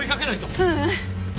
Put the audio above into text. ううん。